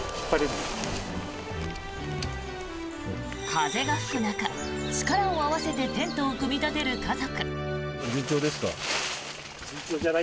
風が吹く中、力を合わせてテントを組み立てる家族。